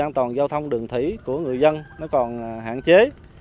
tự an toàn giao thông đường thủy của người dân còn hạn chế